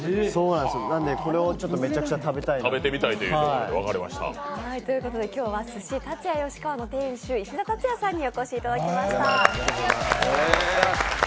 なので、これをめちゃくちゃ食べたいなと。今日は鮨たつ也よしかわの店主石田達也さんにお越しいただきました。